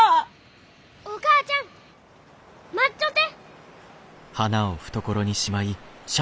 お母ちゃん待っちょって！